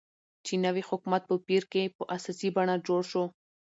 چې د نوي حكومت په پير كې په اساسي بڼه جوړ شو،